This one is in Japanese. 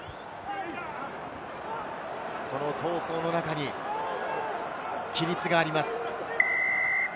この闘争の中に規律があります。